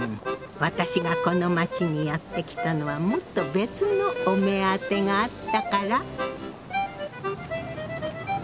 私がこの街にやって来たのはもっと別のお目当てがあったから。